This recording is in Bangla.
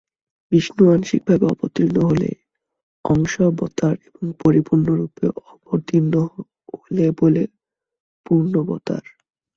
বিষ্ণু আংশিকভাবে অবতীর্ণ হলে অংশাবতার এবং পরিপূর্ণরূপে অবতীর্ণ হলে বলে পূর্ণাবতার।